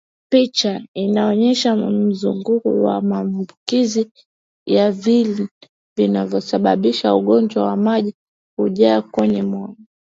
Picha Inaonyesha mzunguko wa maambukizi ya viini vinavyosababisha ugonjwa wa maji kujaa kwenye moyo